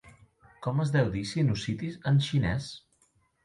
¿Com es deu dir "sinusitis", en xinès?